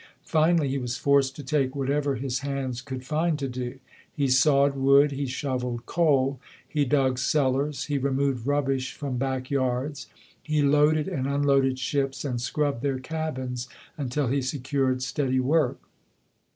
Finally, he was forced to take whatever his hands could find to do. He sawed wood; he shoveled coal. He dug cellars; he re moved rubbish from back yards. He loaded and unloaded ships and scrubbed their cabins until he secured steady work.